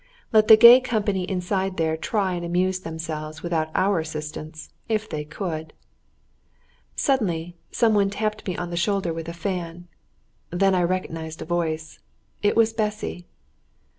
Let the gay company inside there try and amuse themselves without our assistance if they could! Suddenly some one tapped me on the shoulder with a fan, then I recognised a voice; it was Bessy.